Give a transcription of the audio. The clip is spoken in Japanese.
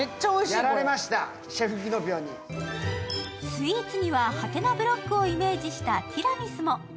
スイーツにはハテナブロックをイメージしたティラミスも。